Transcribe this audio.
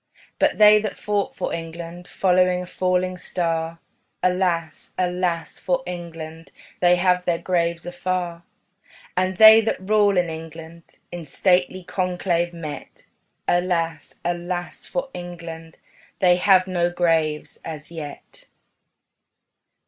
But they that fought for England, Following a falling star, Alas, alas for England They have their graves afar. And they that rule in England, In stately conclave met, Alas, alas for England They have no graves as yet.